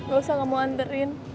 gak usah kamu anterin